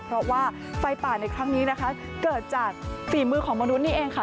เพราะว่าไฟป่าในครั้งนี้นะคะเกิดจากฝีมือของมนุษย์นี่เองค่ะ